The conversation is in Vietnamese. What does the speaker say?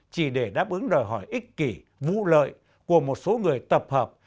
chỉ để đáp ứng đòi hỏi ích kỷ vụ lợi của một số người tập hợp